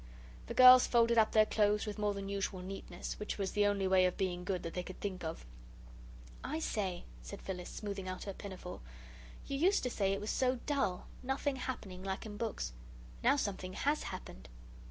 The girls folded up their clothes with more than usual neatness which was the only way of being good that they could think of. "I say," said Phyllis, smoothing out her pinafore, "you used to say it was so dull nothing happening, like in books. Now something HAS happened."